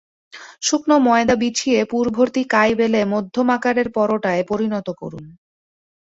শুকনো ময়দা বিছিয়ে পুর ভর্তি কাই বেলে মধ্যম আকারের পরোটায় পরিণত করুন।